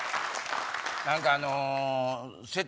何かあの。